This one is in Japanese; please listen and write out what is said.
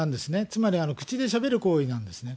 つまり口でしゃべる行為なんですね。